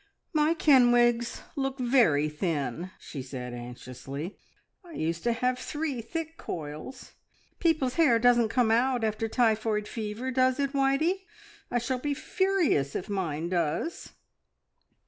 "My Kenwigs look very thin," she said anxiously. "I used to have three thick coils. People's hair doesn't come out after typhoid fever, does it, Whitey? I shall be furious if mine does."